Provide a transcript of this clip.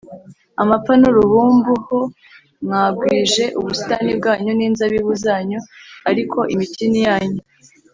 amapfa n uruhumbu h Mwagwije ubusitani bwanyu n inzabibu zanyu ariko imitini yanyu